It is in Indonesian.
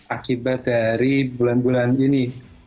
akibat dari bulan bulan ini